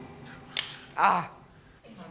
ああ。